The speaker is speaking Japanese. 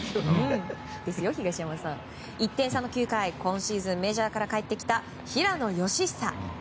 １点差の９回今シーズン、メジャーから帰ってきた平野佳寿。